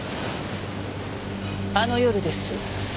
あの夜です。